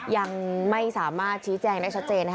ยังไม่สามารถชี้แจงได้ชัดเจนนะคะ